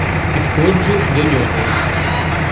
Підходжу до нього.